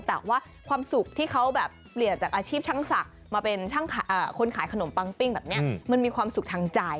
แต่ว่าความสุขที่เขาแบบเปลี่ยนจากอาชีพช่างศักดิ์มาเป็นคนขายขนมปังปิ้งแบบนี้มันมีความสุขทางใจ